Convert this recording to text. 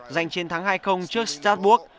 giành chiến thắng hai trước strasbourg